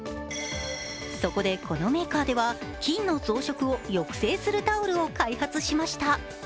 そこで、このメーカーでは菌の増殖を抑制するタオルを開発しました。